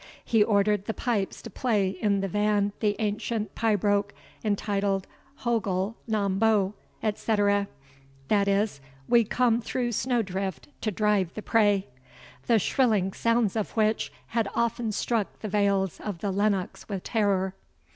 He ordered the pipes to play in the van the ancient pibroch entitled, "HOGGIL NAM BO," etc. (that is, We come through snow drift to drive the prey), the shrilling sounds of which had often struck the vales of the Lennox with terror.